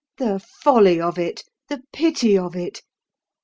The folly of it! The pity of it!